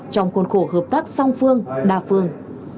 trong khuôn khổ hợp tác song phương đa phương